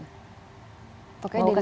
mau ke summer